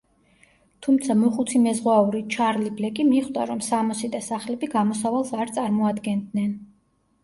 თუმცა მოხუცი მეზღვაური ჩარლი ბლეკი მიხვდა, რომ სამოსი და სახლები გამოსავალს არ წარმოადგენდნენ.